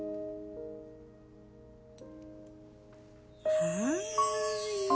はい！